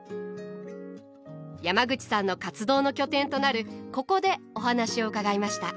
山口さんの活動の拠点となるここでお話を伺いました。